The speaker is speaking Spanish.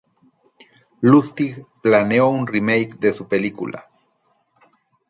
Lustig planeó un remake de su película.